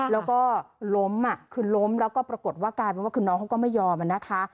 แล้วก็ล้มคือล้มแล้วก็ปรากฏว่ากลายเป็นว่าคือน้องเขาก็ไม่ยอมนะคะ